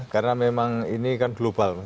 karena memang ini kan global